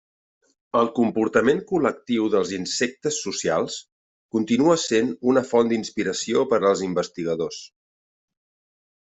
El comportament col·lectiu dels insectes socials continua sent una font d'inspiració per als investigadors.